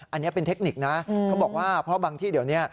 อันนี้เป็นเทคนิคนะเขาบอกว่าเพราะบางที่เดี๋ยวนี้